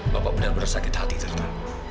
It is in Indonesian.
bapak benar benar sakit hati karena